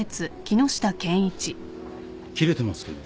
切れてますけど。